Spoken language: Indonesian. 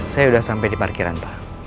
saya sudah sampai di parkiran pak